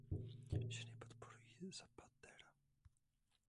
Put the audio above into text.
Ženy podporují Zapatera!